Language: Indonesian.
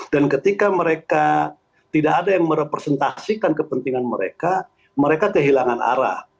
dan ketika mereka tidak ada yang merepresentasikan kepentingan mereka mereka kehilangan arah